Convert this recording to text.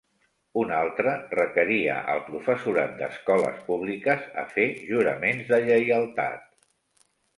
Un altre, requeria al professorat d'escoles públiques a fer juraments de lleialtat.